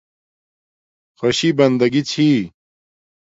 خوشی بندگی چھی